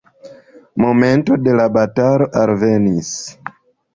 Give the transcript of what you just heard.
Momento de la batalo alvenis.